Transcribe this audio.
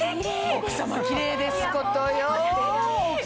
奥様キレイですことよ。